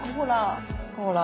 ほら。